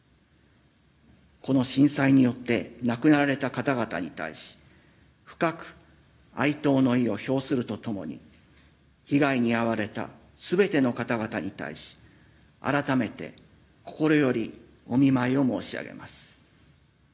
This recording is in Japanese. この震災によって亡くなられた方々に対し深く哀悼の意を表するとともに被害に遭われた全ての方々に対し改めて心よりお見舞いを申し上げます。